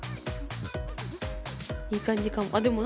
いい感じかも。